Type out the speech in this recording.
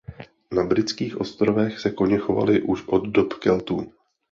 Na britských ostrovech se koně chovali už od dob Keltů.